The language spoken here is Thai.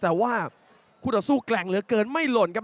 แต่ว่าคู่ต่อสู้แกร่งเหลือเกินไม่หล่นครับ